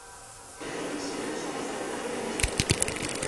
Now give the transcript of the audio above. তিনি শিক্ষা সংস্কারের আবেদন জানান।